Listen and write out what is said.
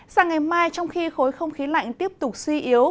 sáng ngày mai trong khi khối không khí lạnh tiếp tục suy yếu